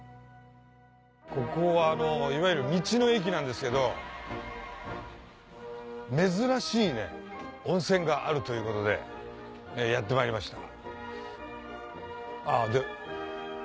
ここはいわゆる道の駅なんですけど珍しい温泉があるということでやってまいりました。